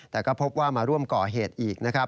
แต่ก็พบว่ามาร่วมก่อเหตุอีก